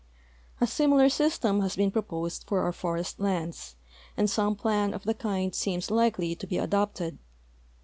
A similar system has been })roposed for our forest lands, and some plan of the kind seems likeh' to be adopted.